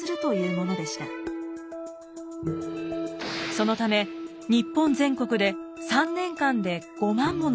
そのため日本全国で３年間で５万もの神社が廃止。